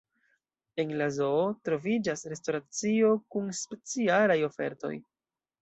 En la zoo troviĝas restoracio kun specialaj ofertoj.